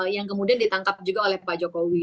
yang kemudian ditangkap juga oleh pak jokowi